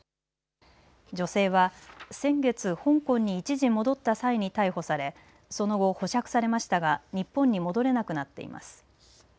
女性は先月香港に一時戻った際に逮捕されその後、保釈されましたが日本に戻れなくなっています。